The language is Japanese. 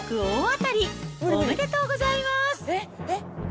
おめでとうございます。